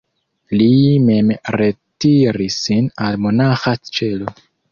Li mem retiris sin al monaĥa ĉelo.